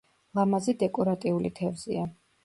ლამაზი დეკორატიული თევზია.